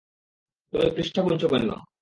তুমি পৃষ্ঠা গুনছ কেন?